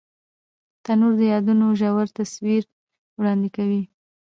تنور د یادونو ژور تصویر وړاندې کوي